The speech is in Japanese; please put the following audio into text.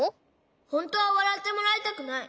ほんとはわらってもらいたくない。